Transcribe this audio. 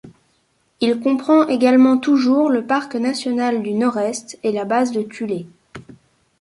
Il comprend également toujours le parc national du Nord-Est et la base de Thulé.